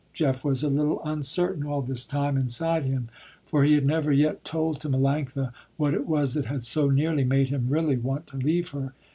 Jeff was a little uncertain all this time inside him, for he had never yet told to Melanctha what it was that had so nearly made him really want to leave her.